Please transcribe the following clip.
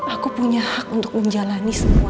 aku punya hak untuk menjalani semua